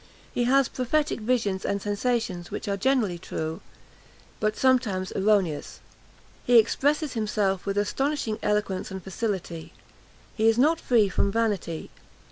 He has prophetic visions and sensations, which are generally true, but sometimes erroneous. He expresses himself with astonishing eloquence and facility. He is not free from vanity.